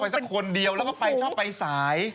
มันจะไปสักคนเดียวแล้วก็ชอบไปสาย